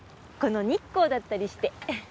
この日光だったりして。